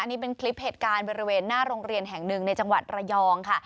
นี่เป็นคลิปเหตุการณ์บริเวณหน้าโรงเรียนแห่งหนึ่งในจังหวัดระยองค่ะ